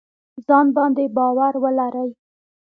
ځان باندې باور ولرئ